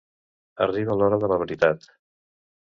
Arriba l'hora de la veritat.